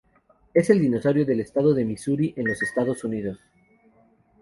Es el dinosaurio del estado de Missouri en los Estados Unidos.